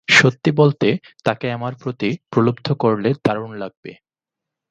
সত্যি বলতে, তাকে আমার প্রতি প্রলুব্ধ করলে দারুণ লাগবে।